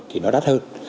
thì nó đắt hơn